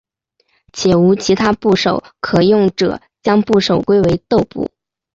且无其他部首可用者将部首归为豆部。